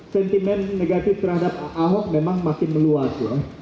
sentimen negatif terhadap ahok memang makin meluas